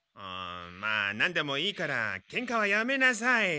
まあなんでもいいからケンカはやめなさい。